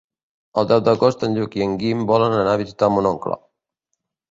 El deu d'agost en Lluc i en Guim volen anar a visitar mon oncle.